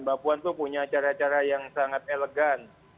bakpuan itu punya cara cara yang sangat elegan